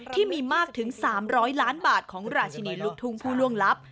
ที่มีมากถึง๓๐๐ล้านบาทของราชินีลูกทุ่งผู้ล่วงลับ